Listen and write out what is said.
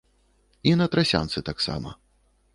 І на трасянцы таксама.